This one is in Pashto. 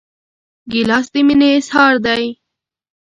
ګیلاس د مینې اظهار دی.